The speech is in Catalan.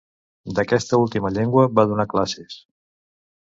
D'aquesta última llengua va donar classes.